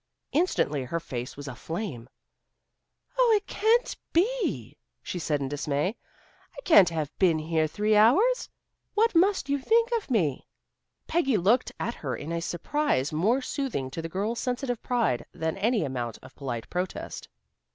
Instantly her face was aflame. "Oh, it can't be," she said in dismay. "I can't have been here three hours. What must you think of me?" Peggy looked at her in a surprise more soothing to the girl's sensitive pride than any amount of polite protest.